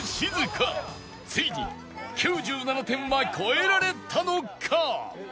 ついに９７点は超えられたのか！？